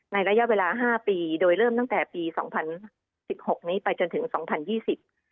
ระยะเวลาห้าปีโดยเริ่มตั้งแต่ปีสองพันสิบหกนี้ไปจนถึงสองพันยี่สิบ